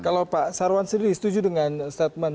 kalau pak sarwan sendiri setuju dengan statement